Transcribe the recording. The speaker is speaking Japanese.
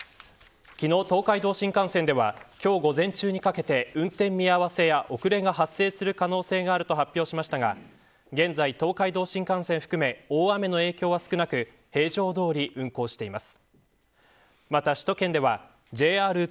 昨日、東海道新幹線では今日午前中にかけて運転見合わせや遅れが発生する可能性があると発表しましたが現在、東海道新幹線を含め大雨の影響は少なく平常どおり運行しています。